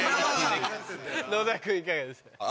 野田君いかがですか？